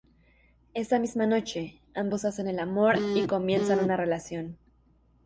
Esa misma noche ambos hacen el amor, y comienzan una relación.